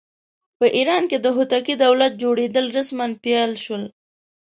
په ایران کې د هوتکي دولت جوړېدل رسماً پیل شول.